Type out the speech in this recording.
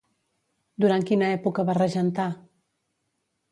Durant quina època va regentar?